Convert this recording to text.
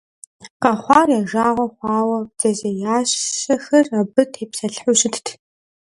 Къэхъуар я жагъуэ хъуауэ бдзэжьеящэхэр абы тепсэлъыхьу щытт.